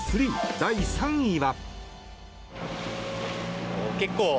第３位は。